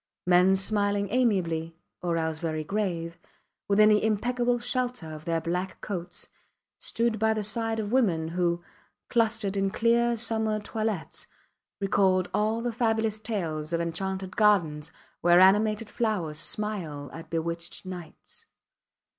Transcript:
Men smiling amiably, or else very grave, within the impeccable shelter of their black coats, stood by the side of women who, clustered in clear summer toilettes, recalled all the fabulous tales of enchanted gardens where animated flowers smile at bewitched knights.